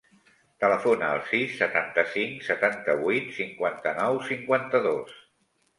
Telefona al sis, setanta-cinc, setanta-vuit, cinquanta-nou, cinquanta-dos.